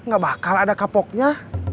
gak bakal ada kapoknya